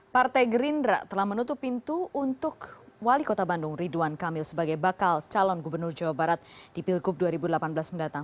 partai gerindra telah menutup pintu untuk wali kota bandung ridwan kamil sebagai bakal calon gubernur jawa barat di pilkup dua ribu delapan belas mendatang